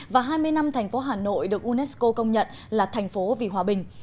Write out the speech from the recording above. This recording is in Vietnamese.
và hai mươi năm thành phố hà nội được unesco công nhận là thành phố vì hòa bình